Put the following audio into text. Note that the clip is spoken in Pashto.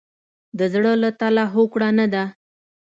د زړه له تله هوکړه نه ده.